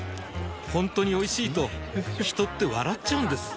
ほんとにおいしいと人って笑っちゃうんです